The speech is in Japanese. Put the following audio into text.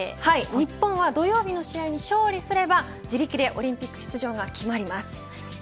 日本は土曜日の試合に勝利すれば、自力でオリンピック出場が決まります。